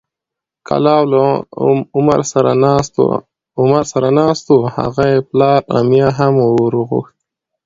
کلاب له عمر سره ناست و هغه یې پلار امیة هم وورغوښت،